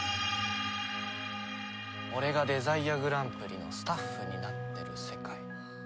「俺がデザイアグランプリのスタッフになってる世界」。